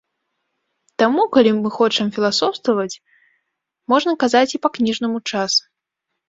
Таму, калі мы хочам філасофстваваць, можна казаць і па-кніжнаму час.